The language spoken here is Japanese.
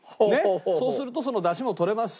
そうするとそのだしもとれますし。